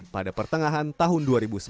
pada pertengahan tahun dua ribu sembilan belas